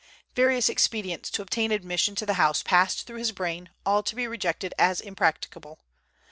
Various expedients to obtain admission to the house passed through his brain, all to be rejected as impracticable.